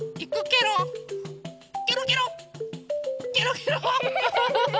ケロケロケロケロ。